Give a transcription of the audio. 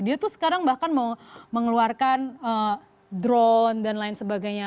dia tuh sekarang bahkan mengeluarkan drone dan lain sebagainya